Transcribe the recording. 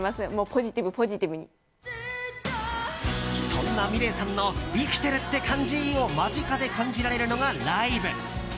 そんなｍｉｌｅｔさんの生きてるって感じを間近で感じられるのが、ライブ。